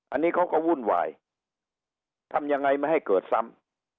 อันนี้เขาก็วุ่นวายทำยังไงไม่ให้เกิดซ้ำ